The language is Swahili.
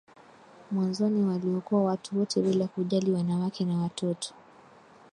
mwanzoni waliokoa watu wote bila kujali wanawake na watoto